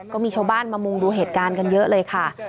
ก็มีชาวบ้านมามุงดูเหตุการณ์กันเยอะเลยค่ะ